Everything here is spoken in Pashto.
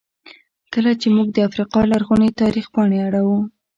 کله چې موږ د افریقا لرغوني تاریخ پاڼې اړوو.